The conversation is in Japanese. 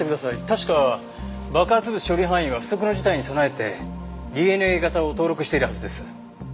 確か爆発物処理班員は不測の事態に備えてＤＮＡ型を登録しているはずです。